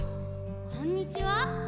こんにちは。